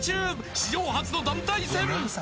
史上初の団体戦。